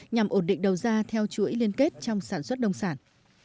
nhằm ổn định đầu ra theo chuỗi liên kết trong sản xuất nông sản